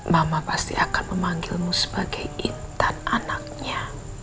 mama pasti akan memanggilmu sebagai intan anaknya